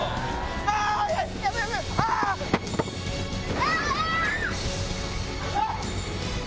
あっ！